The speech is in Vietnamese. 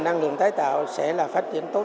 năng lượng tái tạo ở việt nam có tiềm năng rất lớn